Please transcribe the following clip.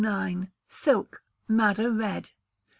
Silk (Madder Red).